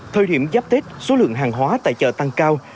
thời điểm giáp tết số lượng hàng hóa tại chợ tăng cao